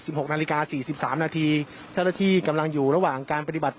หกนาฬิกาสี่สิบสามนาทีเจ้าหน้าที่กำลังอยู่ระหว่างการปฏิบัติ